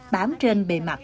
bám trên bề mặt